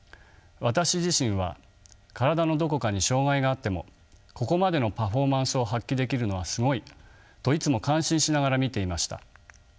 私自身は体のどこかに障がいがあってもここまでのパフォーマンスを発揮できるのはすごいといつも感心しながら見ていました。